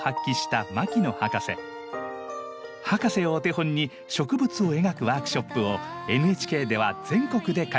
博士をお手本に植物を描くワークショップをＮＨＫでは全国で開催。